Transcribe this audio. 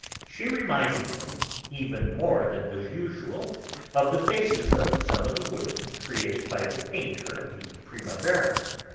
She reminded him, even more than was usual, of the faces of some of the women created by the painter of the Primavera.'